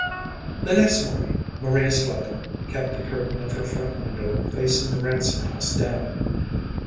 The next morning Maria Slocum kept the curtain of her front window facing the Ransom house down.